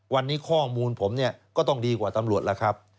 วันนี้ข้อมูลผมเนี่ยก็ต้องดีกว่าตำรวจล่ะครับ